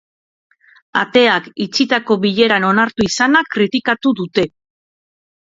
Ateak itxitako bileran onartu izana kritikatu dute.